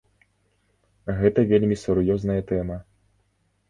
Гэта вельмі сур'ёзная тэма.